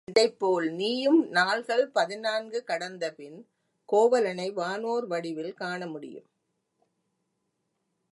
இதைப்போல் நீயும் நாள்கள் பதினான்கு கடந்தபின் கோவலனை வானோர் வடிவில் காண முடியும்.